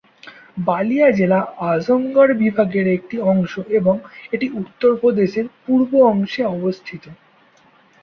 বালিয়া জেলা আজমগড় বিভাগের একটি অংশ এবং এটি উত্তরপ্রদেশের পূর্ব অংশে অবস্থিত।